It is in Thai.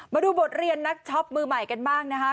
มาดูบทเรียนนักช็อปมือใหม่กันบ้างนะคะ